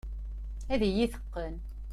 Ad iyi-teqqen.